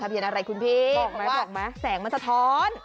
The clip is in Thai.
เบียนอะไรคุณพี่เขาบอกไหมแสงมันสะท้อน